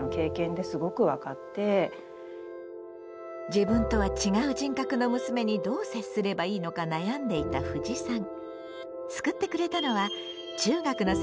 自分とは違う人格の娘にどう接すればいいのか悩んでいたふじさん。